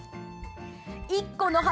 １個の春